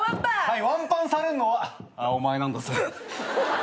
はいワンパンされんのはお前なんだぜ。